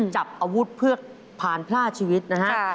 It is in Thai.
จับอาวุธเพื่อผ่านพล่าชีวิตนะฮะ